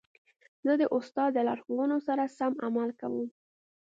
زه د استاد د لارښوونو سره سم عمل کوم.